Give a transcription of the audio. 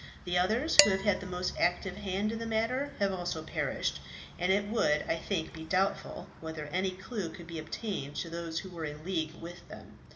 The others, who have had the most active hand in the matter, have also perished; and it would, I think, be doubtful whether any clue could be obtained to those who were in league with them.